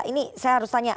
ini saya harus tanya